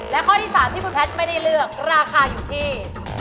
และข้อที่๓ที่คุณแพทย์ไม่ได้เลือกราคาอยู่ที่